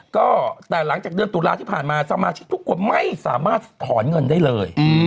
ก็แต่หลังจากเดือนตุลาที่ผ่านมาสมาชิกทุกคนไม่สามารถถอนเงินได้เลย